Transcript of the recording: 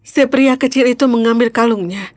si pria kecil itu mengambil kalungnya